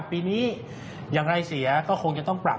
ปีนี้อย่างไรเสียก็คงจะต้องปรับ